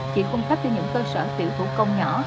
chỉ cung cấp cho những cơ sở tiểu thủ công nhỏ